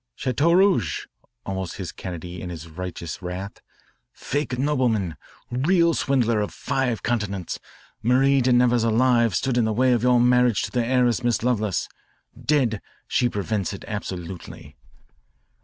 "Chateaurouge," almost hissed Kennedy in his righteous wrath, "fake nobleman, real swindler of five continents. Marie de Nevers alive stood in the way of your marriage to the heiress Miss Lovelace. Dead, she prevents it absolutely."